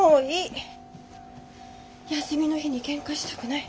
休みの日にケンカしたくない。